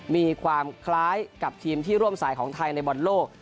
มีความคล้ายกับทีมที่ร่วมสายของไทยในบอลโลก